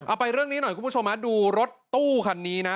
ไปเรื่องนี้หน่อยคุณผู้ชมดูรถตู้คันนี้นะ